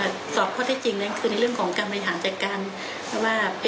โดยจะยัลย่าในเรื่องการสุขภาพ